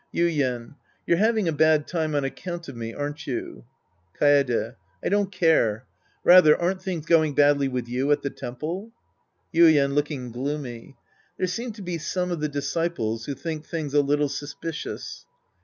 Yuien. You're having a bad time on account of me, aren't you ? Kaede. I don't care. Rather, aren't things going badly with you at the temple ?, Yuien {looking gloomy). There seem to be some of the disciples who think things a little suspicious.